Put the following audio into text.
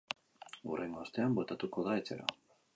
Hurrengo astean bueltatuko da etxera.